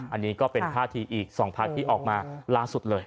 อันนี้ก็เป็นท่าทีอีก๒พักที่ออกมาล่าสุดเลย